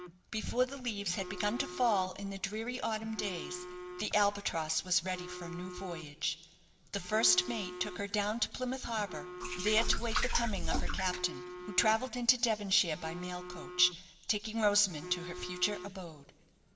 Before the leaves had begun to fall in the dreary autumn days the "Albatross" was ready for a new voyage. The first mate took her down to Plymouth Harbour, there to wait the coming of her captain, who travelled into Devonshire by mail coach, taking Rosamond to her future abode.